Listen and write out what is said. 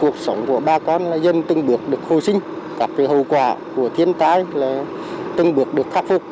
cuộc sống của bà con là dân từng bước được hồi sinh các hậu quả của thiên tai từng bước được khắc phục